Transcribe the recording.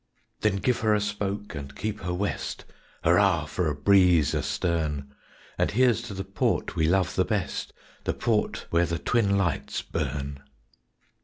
_Then give her a spoke, and keep her west, Hurrah for a breeze astern! And here's to the port we love the best The port where the twin lights burn!